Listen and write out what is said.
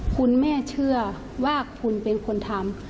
คุณแม่เชื่อว่าคุณเป็นคนทำ